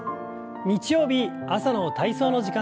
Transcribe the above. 日曜日朝の体操の時間です。